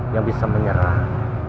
yang bisa menyerang